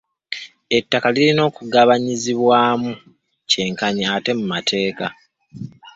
Ettaka lirina okugabanyizibwamu kyenkanyi ate mu mateeka.